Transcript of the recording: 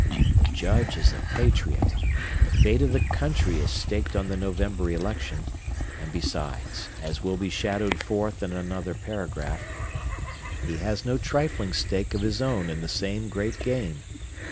The Judge is a patriot; the fate of the country is staked on the November election; and besides, as will be shadowed forth in another paragraph, he has no trifling stake of his own in the same great game.